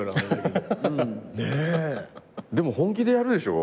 でも本気でやるでしょ？